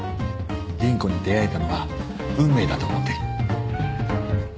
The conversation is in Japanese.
倫子に出会えたのは運命だと思ってる。